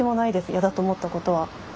嫌だと思ったことは。